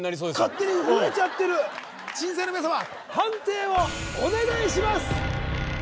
勝手に震えちゃってる審査員の皆様判定をお願いします